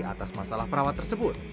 atas masalah perawat tersebut